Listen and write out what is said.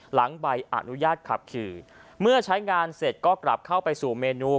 ใบอนุญาตขับขี่เมื่อใช้งานเสร็จก็กลับเข้าไปสู่เมนู